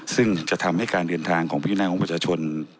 ซึ่งจะทำให้การเดินทางของพี่น้องประชาชน